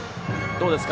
どうですか？